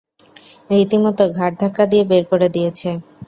রীতিমত ঘাড় ধাক্কা দিয়ে বের করে দিয়েছে।